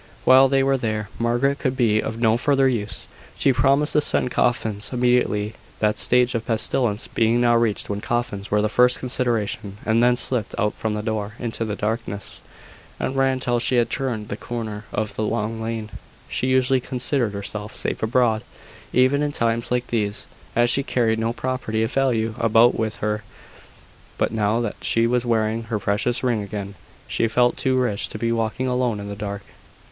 While they were there, Margaret could be of no further use. She promised to send coffins immediately that stage of pestilence being now reached when coffins were the first consideration and then slipped out from the door into the darkness, and ran till she had turned the corner of the long lane. She usually considered herself safe abroad, even in times like these, as she carried no property of value about with her: but now that she was wearing her precious ring again, she felt too rich to be walking alone in the dark.